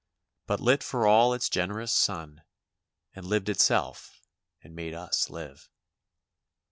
But lit for all its generous sun. And lived itself, and made us live."